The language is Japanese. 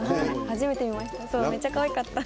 初めて見ました。